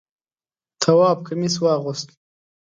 تواب کمیس واغوست.